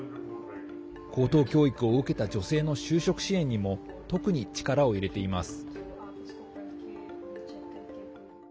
高等教育を受けた女性の就職支援にも特に力を入れています。